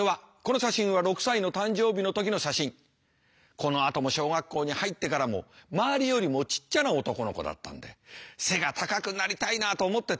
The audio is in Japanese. このあとも小学校に入ってからも周りよりもちっちゃな男の子だったんで背が高くなりたいなと思ってた。